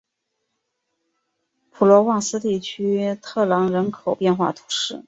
普罗旺斯地区特朗人口变化图示